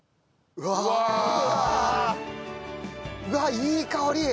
うわっいい香り！